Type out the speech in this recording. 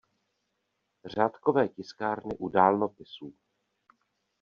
Řádkové tiskárny u dálnopisů.